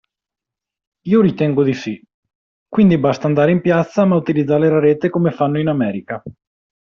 Io ritengo di si, quindi basta andare in piazza ma utilizzare la rete come fanno in America.